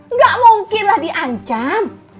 nggak mungkinlah diancam